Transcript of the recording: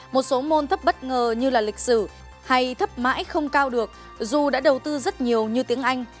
một số môn thấp bất ngờ như là lịch sử hay thấp mãi không cao được dù đã đầu tư rất nhiều như tiếng anh